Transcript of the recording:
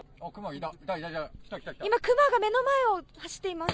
今、クマが目の前を走っています。